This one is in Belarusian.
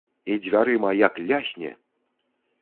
І дзвярыма як лясне!